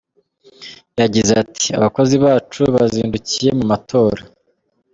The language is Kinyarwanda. Yagize ati “Abakozi bacu bazindukiye mu matora.